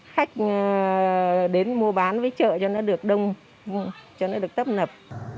khách đến mua bán với chợ cho nó được đông cho nó được tấp nập